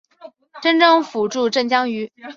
镇政府驻镇江圩。